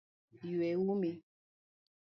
Yue umi